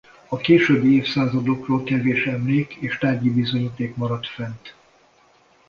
A későbbi évszázadokról kevés emlék és tárgyi bizonyíték maradt fent.